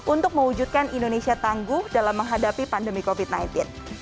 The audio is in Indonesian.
untuk mewujudkan indonesia tangguh dalam menghadapi pandemi covid sembilan belas